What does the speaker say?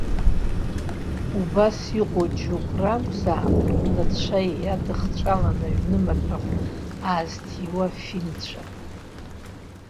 Убас иҟоу џьоукы ракәзаап рнацәа иадыхҵәаланы аҩнымаҭәахә аазҭиуа афинцәа.